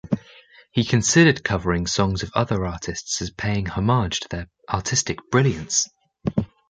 He considered covering songs of other artists as paying homage to their artistic brilliance.